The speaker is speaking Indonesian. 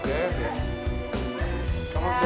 kamu bisa baik baik aja